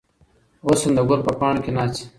حسن د ګل په پاڼو کې ناڅي.